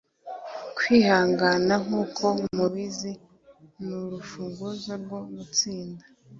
kwihangana, nkuko mubizi, nurufunguzo rwo gutsinda